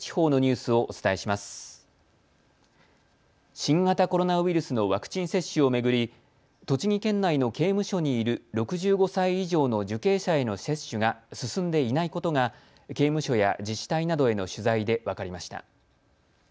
新型コロナウイルスのワクチン接種を巡り栃木県内の刑務所にいる６５歳以上の受刑者への接種が進んでいないことが刑務所や自治体などへの取材で分かりました。